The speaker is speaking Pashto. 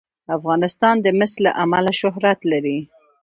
افغانستان د مس له امله شهرت لري.